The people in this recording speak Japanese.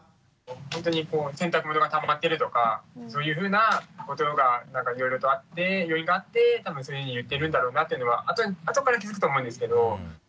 ほんとに洗濯物がたまってるとかそういうふうなことがいろいろとあって要因があって多分そういうふうに言ってるんだろうなっていうのは後から気付くと思うんですけど。